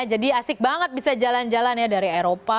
jadi asik banget bisa jalan jalan ya dari eropa